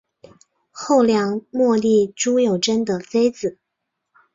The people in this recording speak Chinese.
后梁末帝朱友贞的妃子。